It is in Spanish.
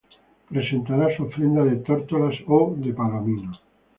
Presentará su ofrenda de tórtolas, ó de palominos.